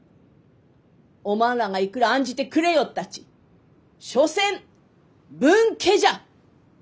おまんらがいくら案じてくれよったち所詮分家じゃ！